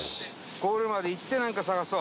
ゴールまで行ってなんか探そう。